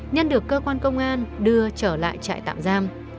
nhân được cơ quan công an đưa trở lại trại tạm giam